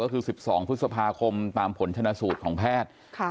ก็คือ๑๒พฤษภาคมตามผลชนะสูตรของแพทย์